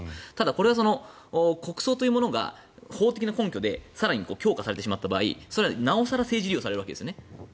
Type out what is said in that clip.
これは国葬というものが法的根拠で更に強化されてしまった場合なお更政治利用されるわけですね。